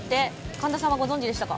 神田さんはご存じでしたか？